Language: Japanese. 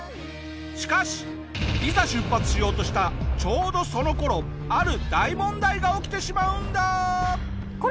しかしいざ出発しようとしたちょうどその頃ある大問題が起きてしまうんだ！